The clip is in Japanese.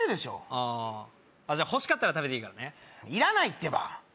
ああじゃ欲しかったら食べていいからねいらないってば！